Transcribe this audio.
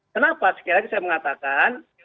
kenapa sekali lagi saya mengatakan